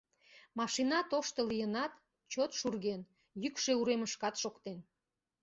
Машина тошто лийынат, чот шурген, йӱкшӧ уремышкат шоктен.